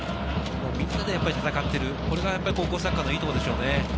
みんなで戦っている、これが高校サッカーのいいところでしょうね。